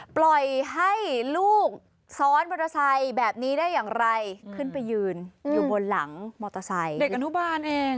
ปล่อยให้ลูกซ้อนมอเตอร์ไซค์แบบนี้ได้อย่างไรขึ้นไปยืนอยู่บนหลังมอเตอร์ไซค์เด็กอนุบาลเอง